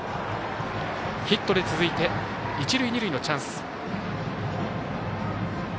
ヒットで続いて一塁二塁のチャンス。